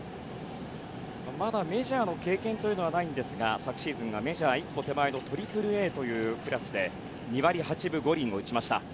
まだメジャーの経験はないんですが昨シーズンはメジャー１つ手前の３Ａというクラスで２割８分５厘を打ちました。